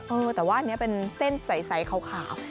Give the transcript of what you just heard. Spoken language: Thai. เออแต่ว่าอันนี้เป็นเส้นใสขาว